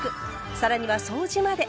更には掃除まで。